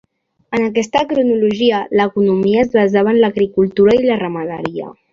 En aquesta cronologia, l'economia es basava en l’agricultura i la ramaderia.